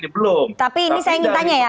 belum tapi ini saya ingin tanya ya